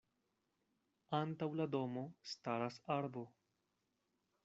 Antaŭ la domo staras arbo.